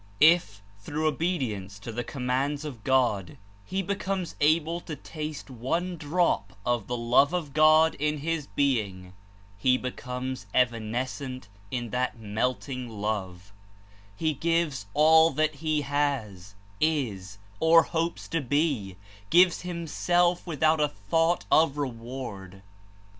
If, through obedience to the commands of God, he becomes able to taste one drop of the Love of God in his being, he becomes evanescent In that melting Love; he gives all that he has, Is, or hopes to be, gives himself without a thought of reward.